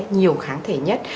nhiều kháng thể nhất